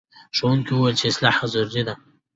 ښوونکي وویل چې اصلاح ضروري ده.